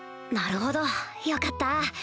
なるほどよかった